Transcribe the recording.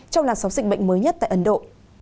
trong làn sóng dịch bệnh mới nhất tại ấn độ